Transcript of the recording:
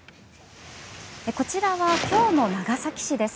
こちらは今日の長崎市です。